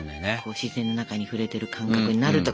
自然の中に触れてる感覚になるとか。